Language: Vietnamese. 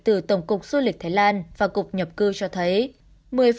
từ tổng cục du lịch thái lan và cục nhập cư cho thấy